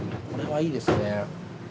これはいいですね。